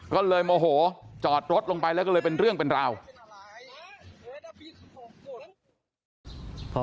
ก็เลยโมโหจอดรถลงไปแล้วก็เลยเป็นเรื่องเป็นราว